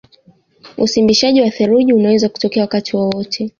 Usimbishaji wa theluji unaweza kutokea wakati wowote